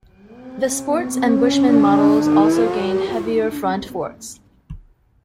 The Sports and Bushman models also gained heavier front forks.